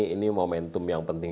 ini momentum yang penting